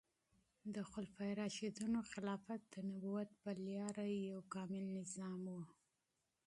د خلفای راشدینو خلافت د نبوت په لاره یو کامل نظام و.